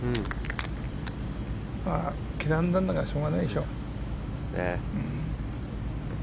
刻んだんだからしょうがないでしょう。